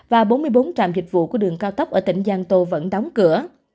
và bốn mươi bốn trạm dịch vụ của đường cao tốc ở tỉnh giang tô vẫn đóng cửa